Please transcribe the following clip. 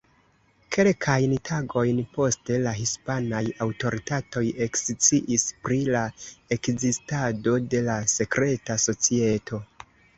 Kelkajn tagojn poste la hispanaj aŭtoritatoj eksciis pri la ekzistado de la sekreta societo.